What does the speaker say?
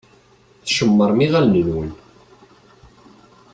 Tcemmṛem iɣallen-nwen.